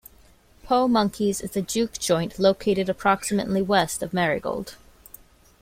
Po' Monkey's is a juke joint located approximately west of Merigold.